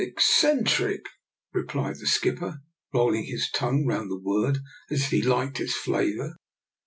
"" Eccentric? " replied the skipper, rolling his tongue round the word as if he liked its flavour.